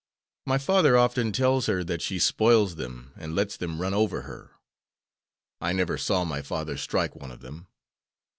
My father often tells her that she spoils them, and lets them run over her. I never saw my father strike one of them.